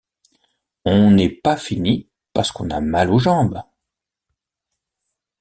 On n’est pas fini parce qu’on a mal aux jambes.